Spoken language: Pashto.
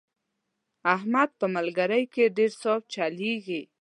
احمد په ملګرۍ کې ډېر صاف چلېږي.